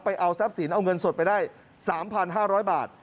ไปเอาทรัพย์สินเอาเงินสดไปได้สามพันห้าร้อยบาท